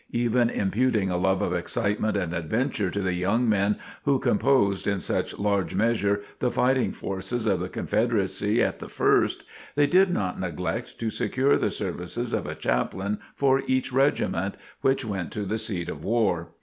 Even imputing a love of excitement and adventure to the young men who composed in such large measure the fighting forces of the Confederacy at the first, they did not neglect to secure the services of a chaplain for each regiment which went to the seat of war.